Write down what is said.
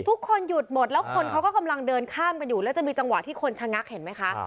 ทุกคนหยุดหมดแล้วคนเขาก็กำลังเดินข้ามกันอยู่แล้วจะมีจังหวะที่คนชะงักเห็นไหมคะ